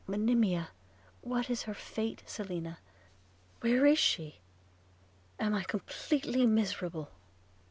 – Monimia! what is her fate, Selina? Where is she? am I completely miserable?'